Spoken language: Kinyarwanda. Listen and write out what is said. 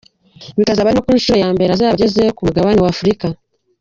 Bikazaba ari no ku nshuro ya mbere azaba ageze ku mugabane wa Afrika.